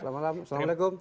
selamat malam assalamualaikum